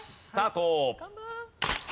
スタート！